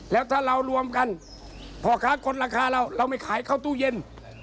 แล้วถ้าเรารวมกันพ่อค้ากดราคาเราเราไม่ขายเข้าตู้เย็น